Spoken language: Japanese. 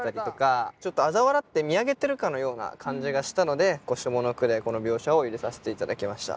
あざ笑って見上げてるかのような感じがしたので下の句でこの描写を入れさせて頂きました。